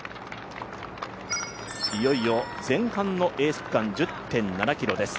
いよいよ前半のエース区間、１０．７ｋｍです。